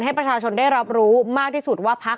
ให้ประชาชนได้รับรู้มากที่สุดว่าพัก